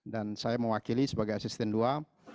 dan saya mewakili sebagai asisten dua